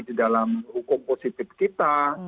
yang hukum positif kita